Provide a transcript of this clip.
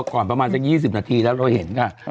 เดี๋ยวก่อนประมาณสัก๒๐นาทีแล้วเราเห็นค่ะ